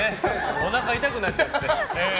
おなかが痛くなっちゃって。